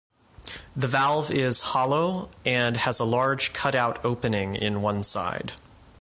The valve is hollow, and has a large cut-out opening in one side.